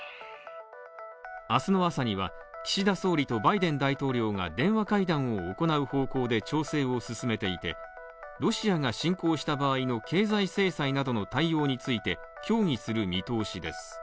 明日の朝には、岸田総理とバイデン大統領が電話会談を行う方向で調整を進めていてロシアが侵攻した場合の経済制裁などの対応について協議する見通しです。